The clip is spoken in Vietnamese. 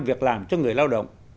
việc làm cho người lao động